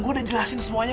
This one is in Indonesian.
gua udah jelasin semuanya